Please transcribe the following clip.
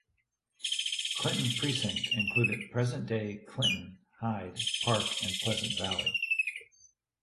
Clinton Precinct included present-day Clinton, Hyde Park and Pleasant Valley.